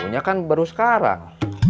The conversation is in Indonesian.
kayaknya kan baru sekarang